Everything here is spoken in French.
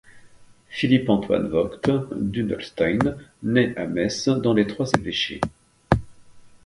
Philippe Antoine Vogt d'Hunolstein naît le à Metz, dans les Trois-Évêchés.